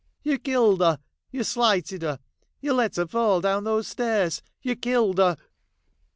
'You killed her — you slighted her — you let her fall down those stairs ! you killed her!'